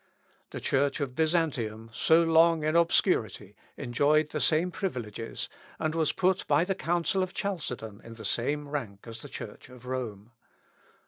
The Church of Byzantium, so long in obscurity, enjoyed the same privileges, and was put by the Council of Chalcedon in the same rank as the Church of Rome.